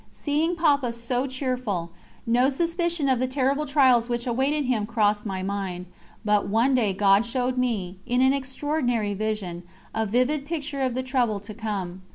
Seeing Papa so cheerful, no suspicion of the terrible trials which awaited him crossed my mind; but one day God showed me, in an extraordinary vision, a vivid picture of the trouble to come.